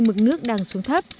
mực nước đang xuống thấp